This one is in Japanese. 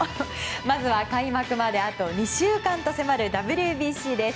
まずは開幕まであと２週間と迫るＷＢＣです。